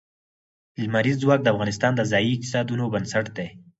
لمریز ځواک د افغانستان د ځایي اقتصادونو بنسټ دی.